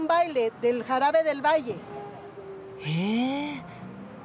へえ！